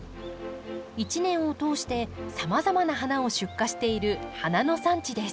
一年を通してさまざまな花を出荷している花の産地です。